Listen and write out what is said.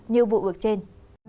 như vụ vượt trên